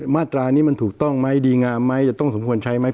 มาตรานี้มันถูกต้องไหมดีงามไหมจะต้องสมควรใช้ไหม